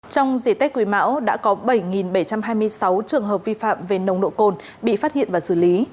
trong dịp tết quý mão đã có bảy bảy trăm hai mươi sáu trường hợp vi phạm về nồng độ cồn bị phát hiện và xử lý